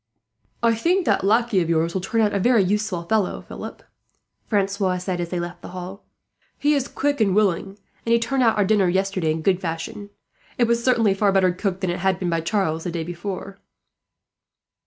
"I think that lackey of yours will turn out a very useful fellow, Philip," Francois said, as they left the hall. "He is quick and willing, and he turned out our dinner yesterday in good fashion. It was certainly far better cooked than it had been, by Charles, the day before."